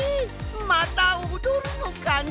またおどるのかね！？